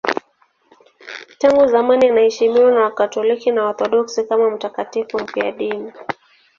Tangu zamani anaheshimiwa na Wakatoliki na Waorthodoksi kama mtakatifu mfiadini.